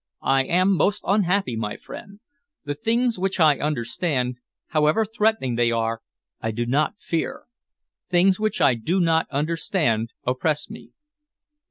I am most unhappy, my friend. The things which I understand, however threatening they are, I do not fear. Things which I do not understand oppress me."